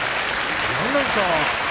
４連勝。